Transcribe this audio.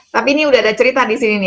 tapi ini sudah ada cerita disini nih